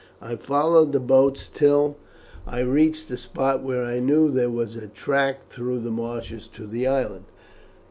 I followed the boats till I reached a spot where I knew there was a track through the marshes to the island.